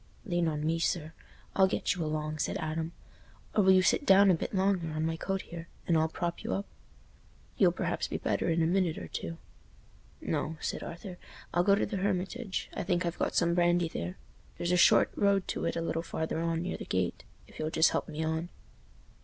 "Lean on me, sir; I'll get you along," said Adam. "Or, will you sit down a bit longer, on my coat here, and I'll prop y' up. You'll perhaps be better in a minute or two." "No," said Arthur. "I'll go to the Hermitage—I think I've got some brandy there. There's a short road to it a little farther on, near the gate. If you'll just help me on."